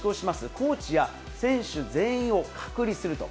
コーチや選手全員を隔離すると。